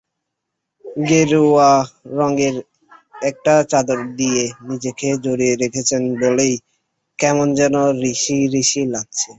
গেরুয়া রঙের একটা চাদর দিয়ে নিজেকে জড়িয়ে রেখেছেন বলেই কেমন যেন ঋষি-ঋষি লাগছে।